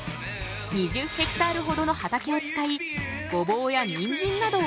２０ヘクタールほどの畑を使いごぼうやニンジンなどを生産。